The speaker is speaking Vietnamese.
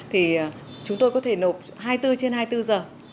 thì chúng tôi có thể nộp hai mươi bốn trên hai mươi bốn giờ